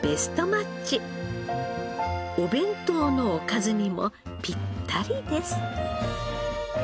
お弁当のおかずにもぴったりです。